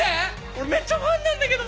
俺めっちゃファンなんだけど。